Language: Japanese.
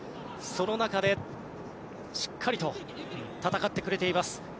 その中で、しっかりと戦ってくれています。